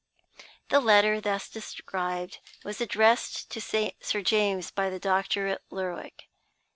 The letter thus described was addressed to Sir James by the doctor at Lerwick.